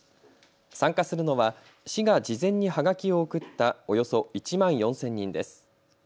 参加するのは市が事前にはがきを送ったおよそ１万４０００人です。